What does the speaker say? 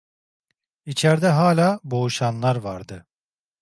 İçerde hala boğuşanlar vardı.